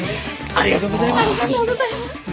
ありがとうございます。